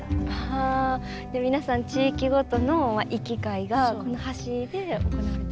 あじゃあ皆さん地域ごとの行き交いがこの橋で行われてた。